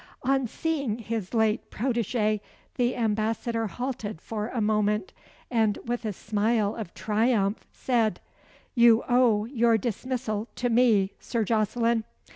On seeing his late protégé, the ambassador halted for a moment, and with a smile of triumph said "You owe your dismissal to me, Sir Jocelyn.